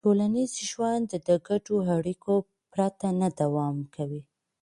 ټولنیز ژوند د ګډو اړیکو پرته نه دوام کوي.